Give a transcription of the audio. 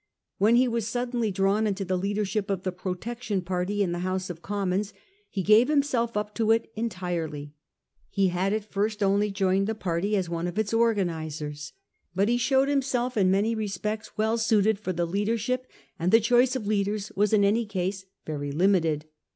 When he was sud denly drawn into the leadership of the Protection party in the House of Commons, he gave himself up to it entirely. He had at first only joined the party as one of its organisers ; but he showed himself in many respects well fitted for the leadership, and the choice of leaders was in any case very limited.